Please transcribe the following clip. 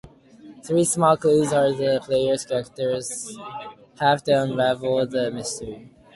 Three small clues are all the player characters have to unravel the mystery.